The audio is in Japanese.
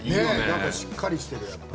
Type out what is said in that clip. しっかりしている。